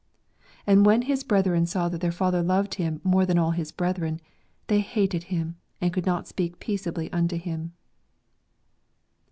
"And when his brethren saw that their father loved him more than all his brethren, they hated him, and could not speak peaceably unto him."